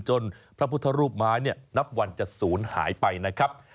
พระพุทธรูปไม้นับวันจะศูนย์หายไปนะครับ